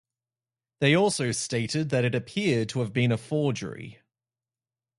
They also stated that it appeared to have been a forgery.